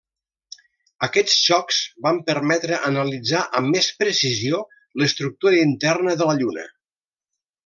Aquests xocs van permetre analitzar amb més precisió l'estructura interna de la Lluna.